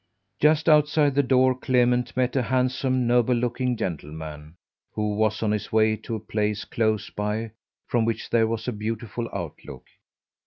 Just outside the door Clement met a handsome, noble looking gentleman, who was on his way to a place close by from which there was a beautiful outlook.